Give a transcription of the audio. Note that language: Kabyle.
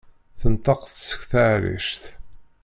Tenṭeq-d seg teɛrict.